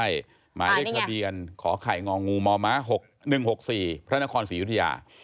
ใช่หมายเรียกคาเดียนขอไข่งองงูมม๑๖๔พศศิยุธยา